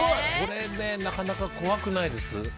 なかなか怖くないです。